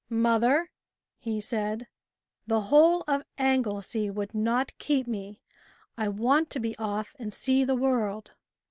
"Mother," he said, "the whole of Anglesey would not keep me, I want to be off and see the world."